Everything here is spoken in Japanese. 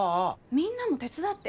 みんなも手伝って！